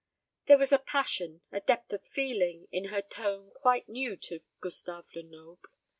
There was a passion, a depth of feeling, in her tone quite new to Gustave Lenoble.